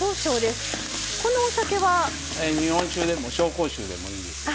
日本酒でも紹興酒でもいいですよ。